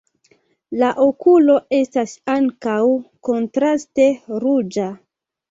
La okulo estas ankaŭ kontraste ruĝa.